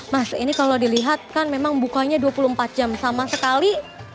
mas ini kalau dilihat kan memang bukanya dua puluh empat jam sama sekali